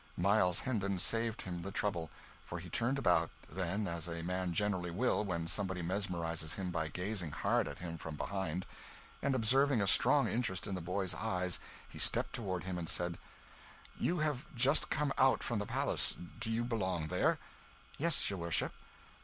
Miles Hendon saved him the trouble; for he turned about, then, as a man generally will when somebody mesmerises him by gazing hard at him from behind; and observing a strong interest in the boy's eyes, he stepped toward him and said "You have just come out from the palace; do you belong there?" "Yes, your worship."